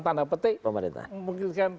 tanda petik memungkinkan